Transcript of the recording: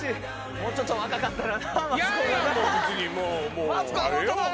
もうちょっと若かったら。